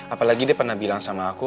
apalagi dia pernah bilang sama aku